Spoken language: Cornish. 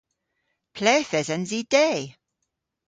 Ple'th esens i de?